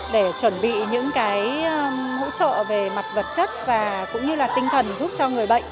để chuẩn bị những hỗ trợ về mặt vật chất và tinh thần giúp cho người bệnh